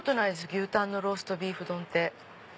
牛たんのローストビーフ丼って。